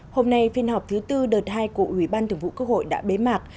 hôm nay phiên họp thứ tư đợt hai của ủy ban thường vụ quốc hội đã bế mạc